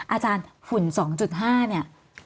อาจารย์ฝุ่น๒๕เนี่ย